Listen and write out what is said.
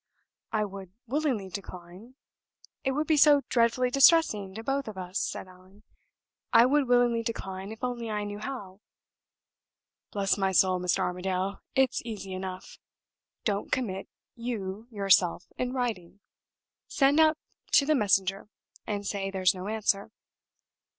"I would willingly decline it would be so dreadfully distressing to both of us," said Allan. "I would willingly decline, if I only knew how." "Bless my soul, Mr. Armadale, it's easy enough! Don't commit you yourself in writing. Send out to the messenger, and say there's no answer."